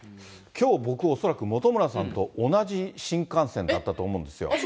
きょう、僕恐らく本村さんと同じ新幹線だったと思うんですよ。